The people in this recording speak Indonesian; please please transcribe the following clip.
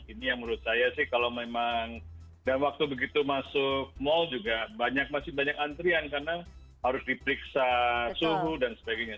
ini yang menurut saya sih kalau memang dan waktu begitu masuk mal juga masih banyak antrian karena harus diperiksa suhu dan sebagainya